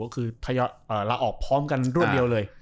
ก็คือทยอยลาออกพร้อมกันรวดเดียวเลย